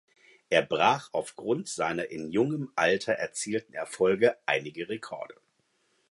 Er brach aufgrund seiner in jungem Alter erzielten Erfolge einige Rekorde.